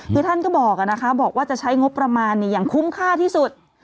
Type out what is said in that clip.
คือท่านก็บอกอ่ะนะคะบอกว่าจะใช้งบประมาณนี้อย่างคุ้มค่าที่สุด